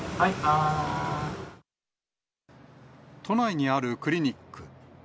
都内にあるクリニック。